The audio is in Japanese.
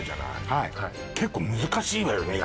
はい結構難しいわよね